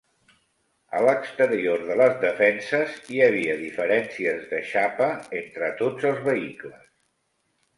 A l'exterior de les defenses, hi havia diferències de xapa entre tots els vehicles.